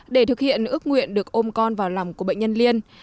để thực hiện ước nguyện được ôm con vào lòng của bệnh nhân liên